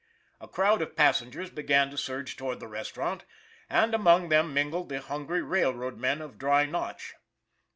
A crowd of pas sengers began to surge toward the restaurant, and among them mingled the hungry railroad men of Dry Notch.